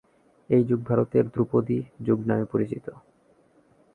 এই যুগ ভারতের ধ্রুপদি যুগ নামে পরিচিত।